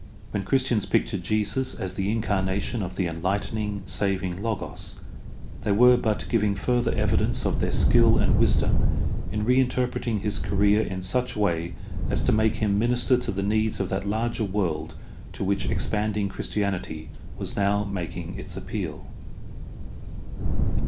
When Christians pictured Jesus as the incarnation of the enlightening, saving Logos they were but giving further evi dence of their skill and wisdom in reinterpreting his career in such way as to make him minister to the needs of that larger world to which expanding Christianity was now making its appeal.